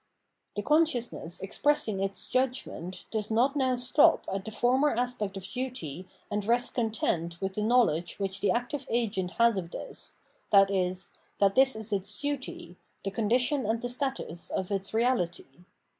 The consciousness expressing its judgment does not now stop at the former aspect of duty and rest content with the knowledge which the active agent has of this, viz. that this is its duty, the condition and the status of its reality.